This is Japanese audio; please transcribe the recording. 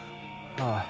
ああ。